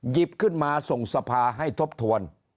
หยิบขึ้นมาส่งสภาให้ทบทวน